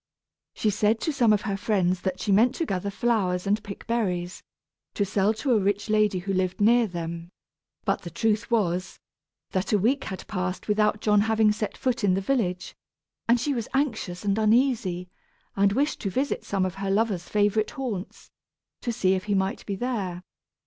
She said to some of her friends that she meant to gather flowers and pick berries, to sell to a rich lady who lived near them; but the truth was, that a week had passed without John having set foot in the village, and she was anxious and uneasy, and wished to visit some of her lover's favorite haunts, to see if he might be there.